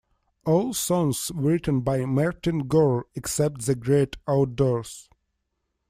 All songs written by Martin Gore, except The Great Outdoors!